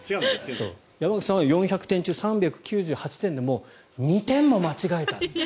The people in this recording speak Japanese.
山口さんは４００点中３９８点でも２点も間違えたと。